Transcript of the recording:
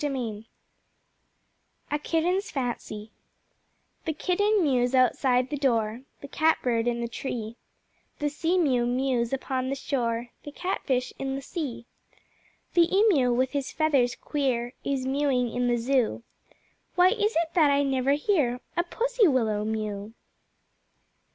A Kitten's Fancy The Kitten mews outside the Door, The Cat bird in the Tree, The Sea mew mews upon the Shore, The Catfish in the Sea. The Emu with his feathers queer Is mewing in the Zoo. Why is it that I never hear A Pussy willow mew?